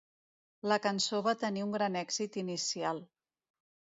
La cançó va tenir un gran èxit inicial.